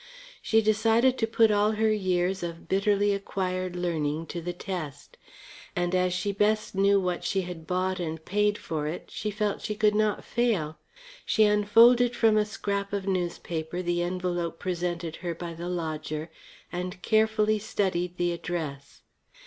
She decided to put all her years of bitterly acquired learning to the test. And as she best knew what she had bought and paid for it she felt she could not fail. She unfolded from a scrap of newspaper the envelope presented her by the lodger and carefully studied the address.